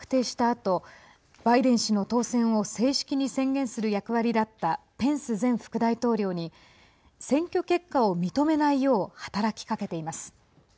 あとバイデン氏の当選を正式に宣言する役割だったペンス前副大統領に選挙結果を認めないよう働きかけています。